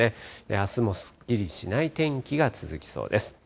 あすもすっきりしない天気が続きそうです。